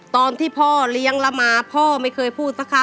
ตอนที่พ่อเลี้ยงแล้วมาพ่อไม่เคยพูดสักค่ะ